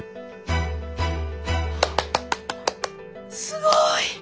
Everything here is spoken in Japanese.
すごい！